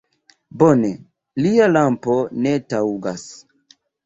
Bone, lia lampo ne taŭgas!